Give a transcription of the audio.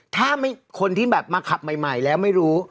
ถ้าคนที่แบบมาขับใหม่แล้วไม่รู้